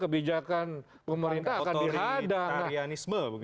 kebijakan pemerintah akan dihadang